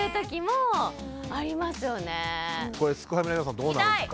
これすくファミの皆さんどうなんですか。